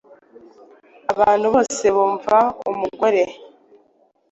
Abantu bose bumvaga umugore